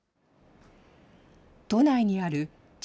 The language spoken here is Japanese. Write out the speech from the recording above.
都内にある築